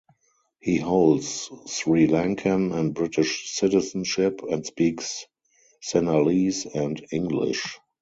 He holds Sri Lankan and British citizenship, and speaks Sinhalese and English.